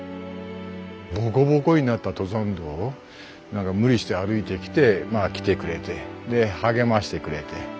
ぼこぼこになった登山道を何か無理して歩いてきてまあ来てくれてで励ましてくれて。